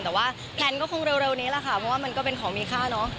แต่ว่าแพลนก็คงเร็วนี้แหละค่ะเพราะว่ามันก็เป็นของมีค่าเนอะ